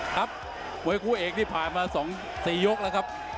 ครับไว้ครัวเอกที่ผ่านมาสองสี่ยกแล้วครับ